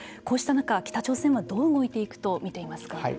こうした中北朝鮮はどう動いていくと見ていますか。